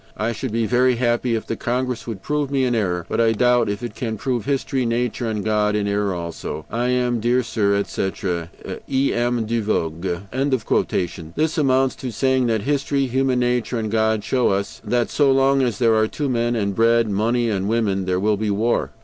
"I should be very happy if the Congress would prove me in error. But I doubt if it can prove history, nature, and God in error also. "I am, dear sir, etc. "E. M. DE VOGÜÉ." This amounts to saying that history, human nature, and God show us that so long as there are two men, and bread, money and a woman there will be war.